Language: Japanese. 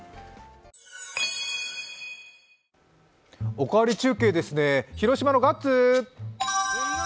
「おかわり中継」ですね広島のガッツ！